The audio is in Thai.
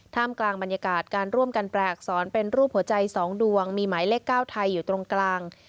กลางบรรยากาศการร่วมกันแปลอักษรเป็นรูปหัวใจ๒ดวงมีหมายเลข๙ไทยอยู่ตรงกลาง